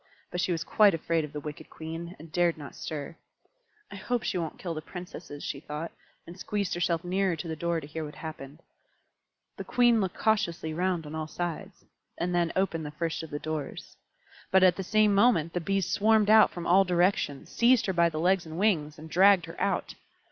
But she was quite afraid of the wicked Queen, and dared not stir. "I hope she won't kill the Princesses," she thought, and squeezed herself nearer to the door to hear what happened. The Queen looked cautiously round on all sides, and then opened the first of the doors. But at the same moment the Bees swarmed out from all directions, seized her by the legs and wings, and dragged her out.